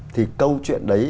thì câu chuyện đấy